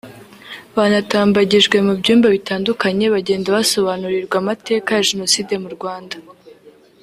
banatambagijwe mu byumba bitandukanye bagenda basobanurirwa amateka ya Jenoside mu Rwanda